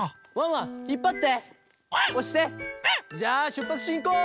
ワン！じゃあしゅっぱつしんこう！